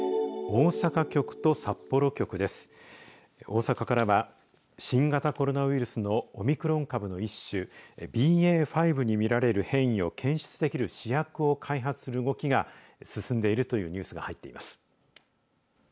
大阪からは新型コロナウイルスのオミクロン株の一種ＢＡ．５に見られる変異を検出できる試薬を開発する動きが進んでいるというニュースが入っています。